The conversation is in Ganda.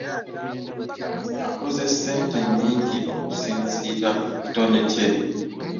Akoze ssente nnyingi okusinzira ku kitone kye.